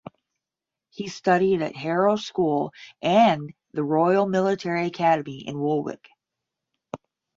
He studied at Harrow School and the Royal Military Academy in Woolwich.